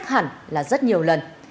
chắc hẳn là rất nhiều lần